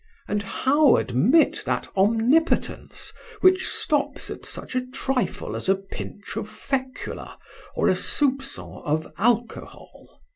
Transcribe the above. And how admit that omnipotence which stops at such a trifle as a pinch of fecula or a soupcon of alcohol?"